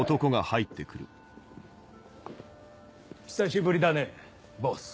久しぶりだねボス。